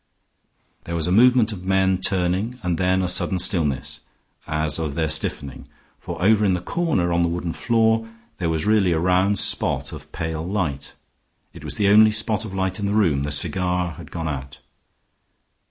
There was a movement of men turning and then a sudden stillness, as of their stiffening, for over in the corner on the wooden floor there was really a round spot of pale light. It was the only spot of light in the room. The cigar had gone out.